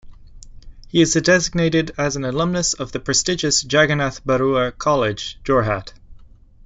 He is designated as an alumnus of the prestigious Jagannath Barooah College, Jorhat.